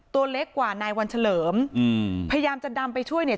ตัวเล็กกว่านายวันเฉลิมอืมพยายามจะดำไปช่วยเนี่ย